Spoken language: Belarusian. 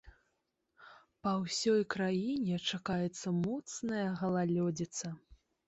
Па ўсёй краіне чакаецца моцная галалёдзіца.